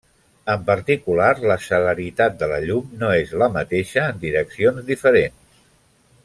En particular, la celeritat de la llum no és la mateixa en direccions diferents.